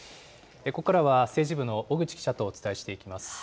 ここからは政治部の小口記者とお伝えしていきます。